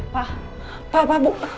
pak pak pak